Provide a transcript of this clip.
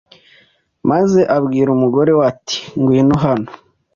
maze abwira umugore we ati ngwino hano